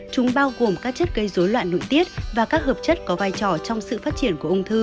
chúng bao gồm các chất gây dối loạn nội tiết và các hợp chất có vai trò trong sự phát triển của ung thư